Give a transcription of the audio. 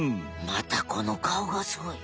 またこのかおがすごい！